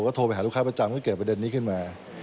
ก็โทรไปหาลูกค้าประจำก็เกิดประเด็นนี้ขึ้นมา